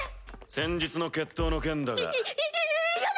先日の決闘の件だが。